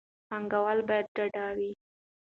پانګوال باید ډاډه وي.